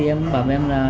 em bảo mẹ em là